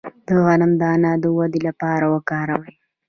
د غنم دانه د ودې لپاره وکاروئ